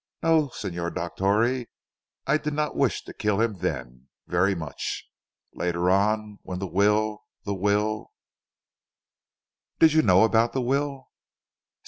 No Signor Dottore I did not wish to kill him then very much. Later on when the will the will " "Did you know about the will?"